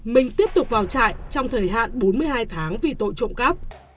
mình tiếp tục vào trại trong thời hạn bốn mươi hai tháng vì tội trộm cắp